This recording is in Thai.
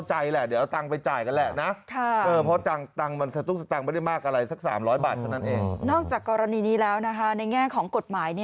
นอกจากกรณีนี้แล้วนะคะในแง่ของกฎหมาย